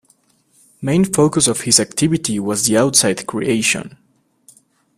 Main focus of his activity was the outside creation.